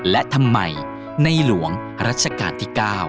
และทำไมในหลวงรัชกาลที่๙